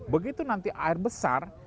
begitu nanti air besar